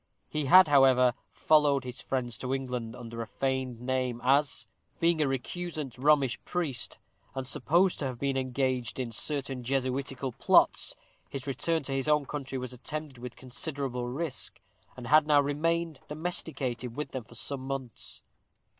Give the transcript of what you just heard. He had, however, followed his friends to England under a feigned name as being a recusant Romish priest, and supposed to have been engaged in certain Jesuitical plots, his return to his own country was attended with considerable risk , and had now remained domesticated with them for some months.